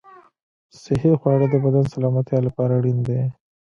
صحي خواړه د بدن سلامتیا لپاره اړین دي.